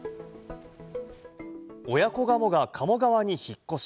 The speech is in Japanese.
親子ガモが鴨川に引っ越し。